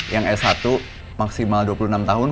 yang s satu maksimal dua puluh enam tahun